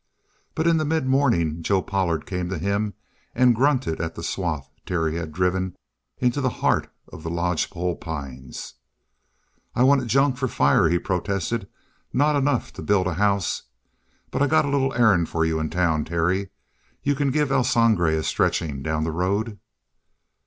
But in the midmorning Joe Pollard came to him and grunted at the swath Terry had driven into the heart of the lodgepole pines. "I wanted junk for the fire," he protested; "not enough to build a house. But I got a little errand for you in town, Terry. You can give El Sangre a stretching down the road?"